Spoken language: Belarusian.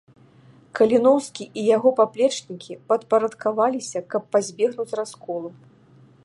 Каліноўскі і яго паплечнікі падпарадкаваліся, каб пазбегнуць расколу.